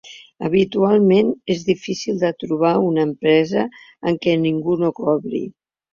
Habitualment, és difícil de trobar una empresa en què ningú no cobri.